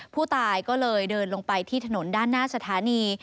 ผู้ตายก็เลยเดินลงไปที่ถนนด้านหน้าสถานี